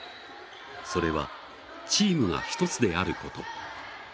それはチームが１つであること。